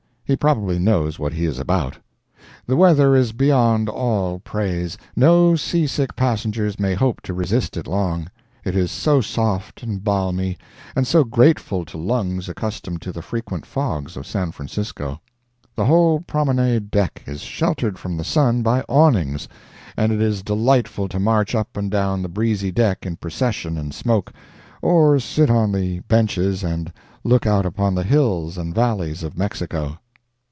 He probably knows what he is about. The weather is beyond all praise. No sea sick passengers may hope to resist it long. It is so soft and balmy, and so grateful to lungs accustomed to the frequent fogs of San Francisco. The whole promenade deck is sheltered from the sun by awnings, and it is delightful to march up and down the breezy deck in procession and smoke, or sit on the benches and look out upon the hills and valleys of Mexico.